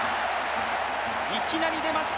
いきなり出ました